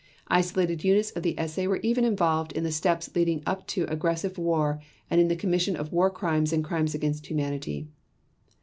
Isolated units of the SA were even involved in the steps leading up to aggressive war and in the commission of War Crimes and Crimes against Humanity.